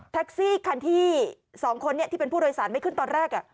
แท็กซี่คันที่๒คนที่เป็นผู้โดยสารไม่ขึ้นตอนแรก